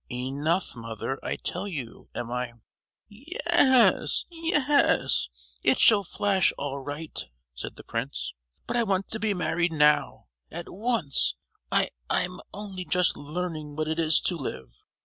"Enough, mother, I tell you! am I——?" "Ye—yes, ye—yes, it shall flash all right," said the prince. "But I want to be married now, at once. I—I'm only just learning what it is to live.